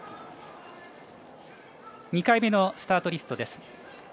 ２回目のスタートリスト。